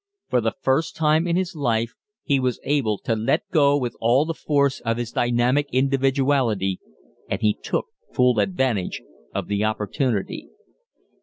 For the first time in his life he was able to "let go" with all the force of his dynamic individuality, and he took full advantage of the opportunity.